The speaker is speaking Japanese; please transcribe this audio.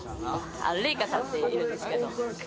レイカさんっていうんですけど。